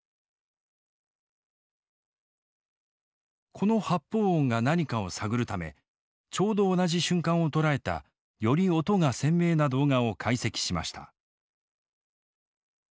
この発砲音が何かを探るためちょうど同じ瞬間を捉えたより音が鮮明な動画を解析しました。